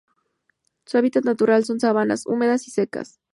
Su hábitat natural son: sabanas húmedas y secas